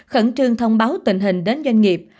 khẩn trương thông báo tình hình đến doanh nghiệp